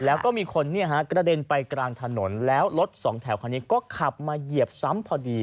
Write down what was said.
แล้วก็มีคนกระเด็นไปกลางถนนแล้วรถสองแถวคันนี้ก็ขับมาเหยียบซ้ำพอดี